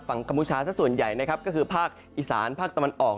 ฝั่งกำมุชาส่วนใหญ่ก็คือภาคอีสานภาคตะวันออก